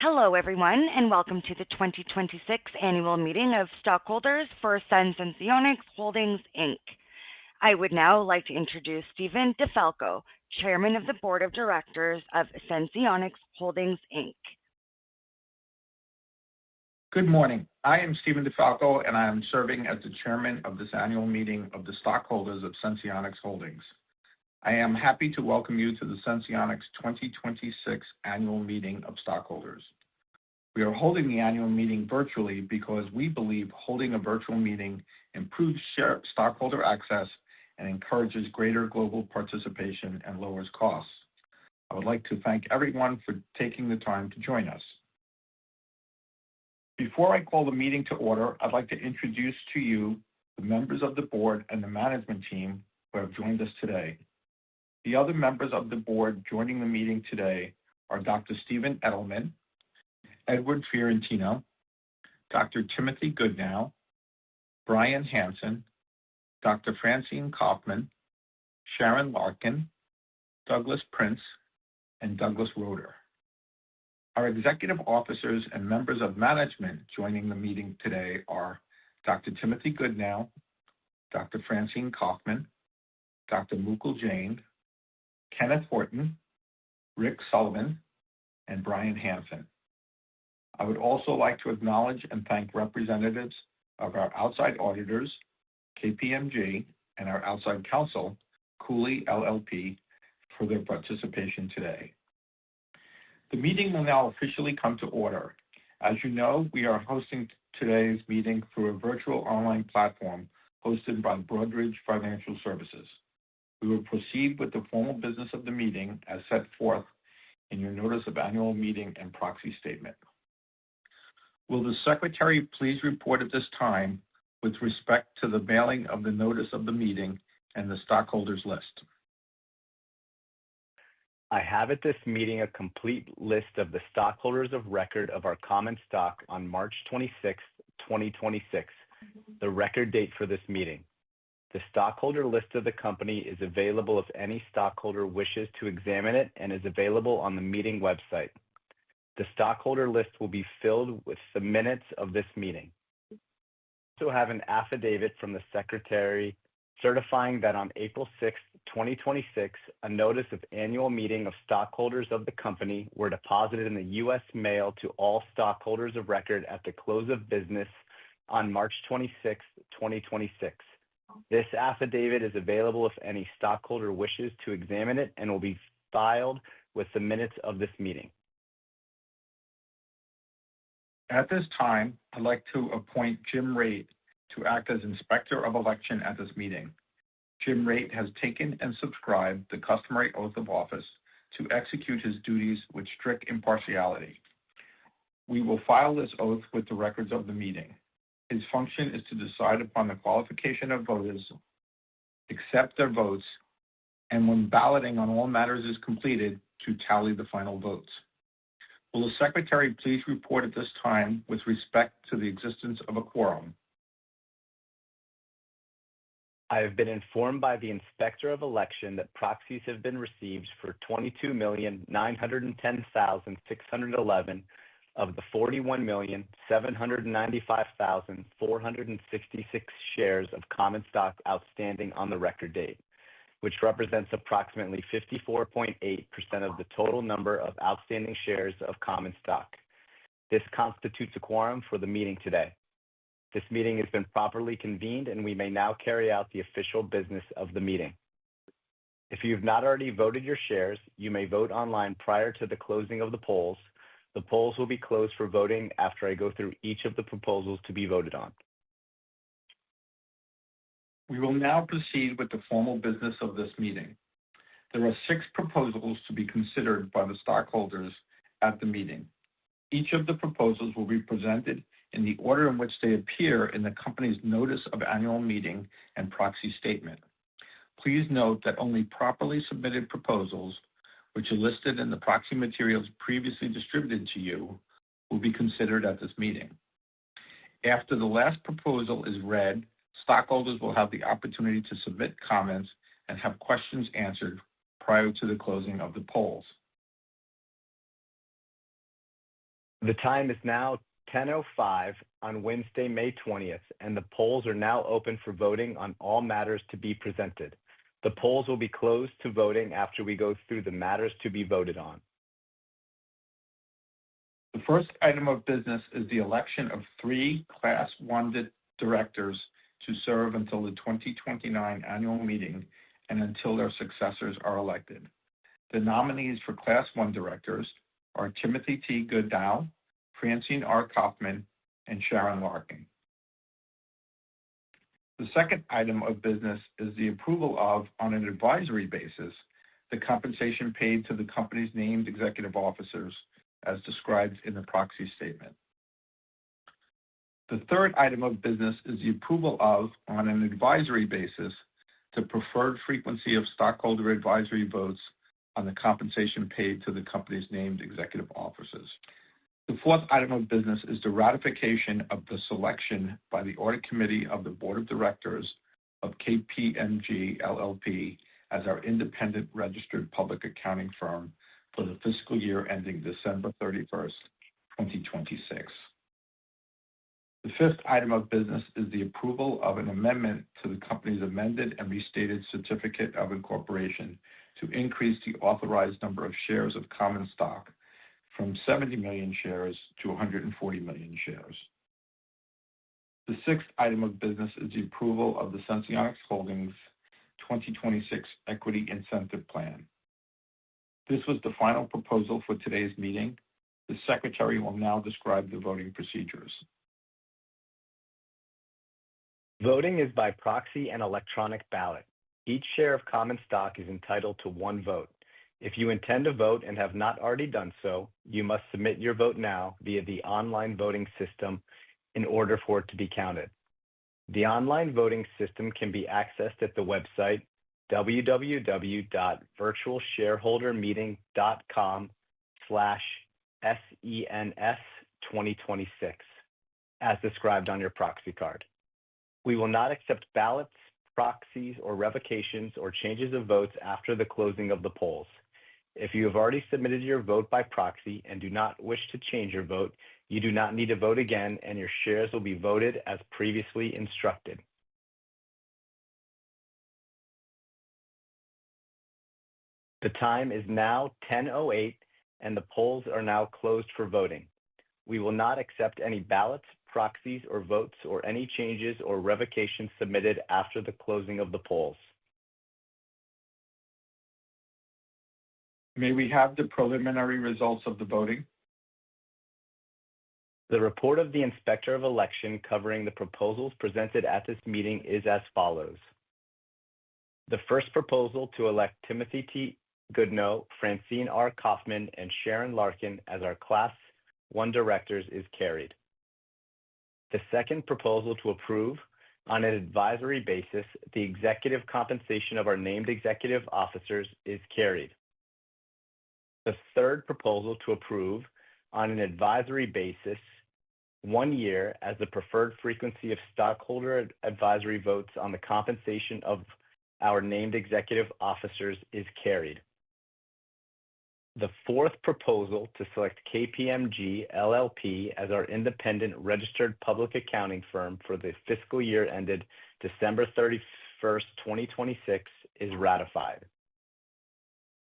Hello, everyone, and welcome to the 2026 Annual Meeting of Stockholders for Senseonics Holdings, Inc. I would now like to introduce Stephen DeFalco, Chairman of the Board of Directors of Senseonics Holdings, Inc. Good morning. I am Stephen DeFalco, and I am serving as the chairman of this annual meeting of the stockholders of Senseonics Holdings. I am happy to welcome you to the Senseonics 2026 Annual Meeting of Stockholders. We are holding the annual meeting virtually because we believe holding a virtual meeting improves stockholder access and encourages greater global participation and lowers costs. I would like to thank everyone for taking the time to join us. Before I call the meeting to order, I'd like to introduce to you the members of the Board and the management team who have joined us today. The other members of the Board joining the meeting today are Dr. Steven Edelman, Edward Fiorentino, Dr. Timothy Goodnow, Brian Hansen, Dr. Francine Kaufman, Sharon Larkin, Douglas Prince, and Douglas Roeder. Our Executive Officers and members of management joining the meeting today are Dr. Timothy Goodnow, Dr. Francine Kaufman, Dr. Mukul Jain, Kenneth Horton, Rick Sullivan, and Brian Hansen. I would also like to acknowledge and thank representatives of our outside auditors, KPMG, and our outside counsel, Cooley LLP, for their participation today. The meeting will now officially come to order. As you know, we are hosting today's meeting through a virtual online platform hosted by Broadridge Financial Solutions. We will proceed with the formal business of the meeting as set forth in your notice of annual meeting and proxy statement. Will the secretary please report at this time with respect to the mailing of the notice of the meeting and the stockholders list? I have at this meeting a complete list of the stockholders of record of our common stock on March 26th, 2026, the record date for this meeting. The stockholder list of the company is available if any stockholder wishes to examine it and is available on the meeting website. The stockholder list will be filed with the minutes of this meeting. I also have an affidavit from the secretary certifying that on April 6th, 2026, a notice of annual meeting of stockholders of the company were deposited in the U.S. mail to all stockholders of record at the close of business on March 26th, 2026. This affidavit is available if any stockholder wishes to examine it and will be filed with the minutes of this meeting. At this time, I'd like to appoint Jim Rade to act as Inspector of Election at this meeting. Jim Rade has taken and subscribed the customary oath of office to execute his duties with strict impartiality. We will file this oath with the records of the meeting. His function is to decide upon the qualification of voters, accept their votes, and when balloting on all matters is completed, to tally the final votes. Will the secretary please report at this time with respect to the existence of a quorum? I have been informed by the Inspector of Election that proxies have been received for 22,910,611 of the 41,795,466 shares of common stock outstanding on the record date, which represents approximately 54.8% of the total number of outstanding shares of common stock. This constitutes a quorum for the meeting today. This meeting has been properly convened, and we may now carry out the official business of the meeting. If you have not already voted your shares, you may vote online prior to the closing of the polls. The polls will be closed for voting after I go through each of the proposals to be voted on. We will now proceed with the formal business of this meeting. There are six proposals to be considered by the stockholders at the meeting. Each of the proposals will be presented in the order in which they appear in the company's notice of annual meeting and proxy statement. Please note that only properly submitted proposals, which are listed in the proxy materials previously distributed to you, will be considered at this meeting. After the last proposal is read, stockholders will have the opportunity to submit comments and have questions answered prior to the closing of the polls. The time is now 10:05 A.M. on Wednesday, May 20th, and the polls are now open for voting on all matters to be presented. The polls will be closed to voting after we go through the matters to be voted on. The first item of business is the election of three Class I directors to serve until the 2029 annual meeting and until their successors are elected. The nominees for Class I directors are Timothy T. Goodnow, Francine R. Kaufman, and Sharon Larkin. The second item of business is the approval of, on an advisory basis, the compensation paid to the company's named executive officers as described in the proxy statement. The third item of business is the approval of, on an advisory basis, the preferred frequency of stockholder advisory votes on the compensation paid to the company's named executive officers. The fourth item of business is the ratification of the selection by the Audit Committee of the Board of Directors of KPMG LLP as our independent registered public accounting firm for the fiscal year ending December 31st, 2026. The fifth item of business is the approval of an amendment to the company's amended and restated certificate of incorporation to increase the authorized number of shares of common stock from 70 million shares to 140 million shares. The sixth item of business is the approval of the Senseonics Holdings 2026 Equity Incentive Plan. This was the final proposal for today's meeting. The secretary will now describe the voting procedures. Voting is by proxy and electronic ballot. Each share of common stock is entitled to one vote. If you intend to vote and have not already done so, you must submit your vote now via the online voting system in order for it to be counted. The online voting system can be accessed at the website www.virtualshareholdermeeting.com/sens2026, as described on your proxy card. We will not accept ballots, proxies, or revocations or changes of votes after the closing of the polls. If you have already submitted your vote by proxy and do not wish to change your vote, you do not need to vote again and your shares will be voted as previously instructed. The time is now 10:08 A.M. and the polls are now closed for voting. We will not accept any ballots, proxies, or votes or any changes or revocations submitted after the closing of the polls. May we have the preliminary results of the voting? The report of the Inspector of Election covering the proposals presented at this meeting is as follows. The first proposal to elect Timothy T. Goodnow, Francine R. Kaufman, and Sharon Larkin as our Class I directors is carried. The second proposal to approve, on an advisory basis, the executive compensation of our named executive officers is carried. The third proposal to approve, on an advisory basis, one year as the preferred frequency of stockholder advisory votes on the compensation of our named executive officers is carried. The fourth proposal to select KPMG LLP as our independent registered public accounting firm for the fiscal year ended December 31st, 2026 is ratified.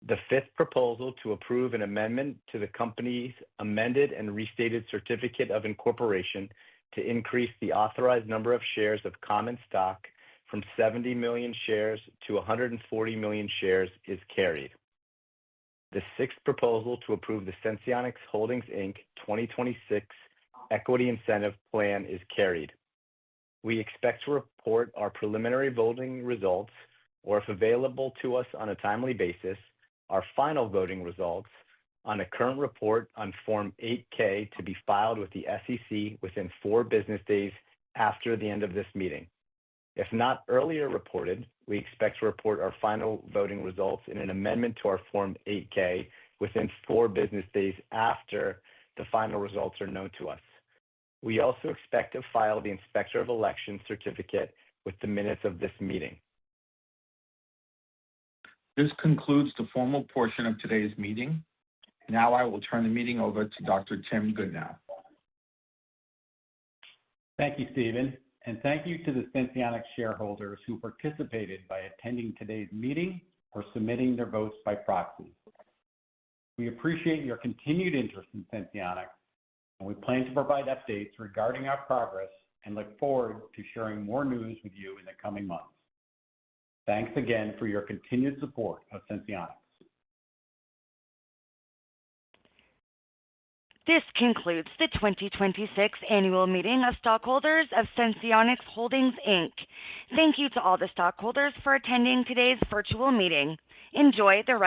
The fifth proposal to approve an amendment to the company's amended and restated certificate of incorporation to increase the authorized number of shares of common stock from 70 million shares to 140 million shares is carried. The sixth proposal to approve the Senseonics Holdings, Inc 2026 Equity Incentive Plan is carried. We expect to report our preliminary voting results, or if available to us on a timely basis, our final voting results on a current report on Form 8-K to be filed with the SEC within four business days after the end of this meeting. If not earlier reported, we expect to report our final voting results in an amendment to our Form 8-K within four business days after the final results are known to us. We also expect to file the Inspector of Election certificate with the minutes of this meeting. This concludes the formal portion of today's meeting. I will turn the meeting over to Dr. Tim Goodnow. Thank you, Stephen, and thank you to the Senseonics shareholders who participated by attending today's meeting or submitting their votes by proxy. We appreciate your continued interest in Senseonics, and we plan to provide updates regarding our progress and look forward to sharing more news with you in the coming months. Thanks again for your continued support of Senseonics. This concludes the 2026 Annual Meeting of Stockholders of Senseonics Holdings, Inc. Thank you to all the stockholders for attending today's virtual meeting. Enjoy the rest.